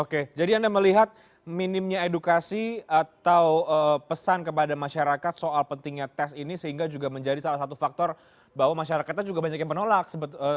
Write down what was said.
oke jadi anda melihat minimnya edukasi atau pesan kepada masyarakat soal pentingnya tes ini sehingga juga menjadi salah satu faktor bahwa masyarakatnya juga banyak yang menolak